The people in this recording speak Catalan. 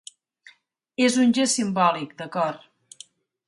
És un gest simbòlic, d’acord.